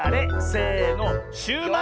せのシューマイ！